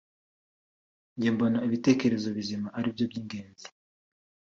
njye mbona ibitekerezo bizima ari byo by’ingenzi